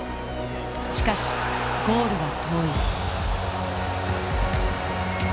しかしゴールは遠い。